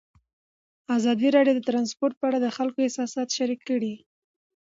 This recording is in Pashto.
ازادي راډیو د ترانسپورټ په اړه د خلکو احساسات شریک کړي.